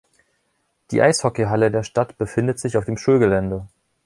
Die Eishockeyhalle der Stadt befindet sich auf dem Schulgelände.